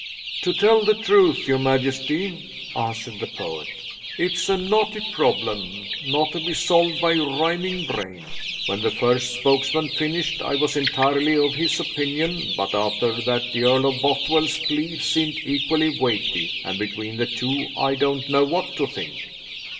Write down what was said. "To tell truth, your majesty," answered the poet, "it's a knotty problem, not to be solved by rhyming brain. When the first spokesman finished I was entirely of his opinion, but, after that, the Earl of Bothwell's plea seemed equally weighty, and between the two I don't know what to think."